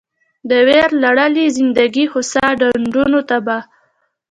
د ویرلړلې زندګي خوسا ډنډونو ته به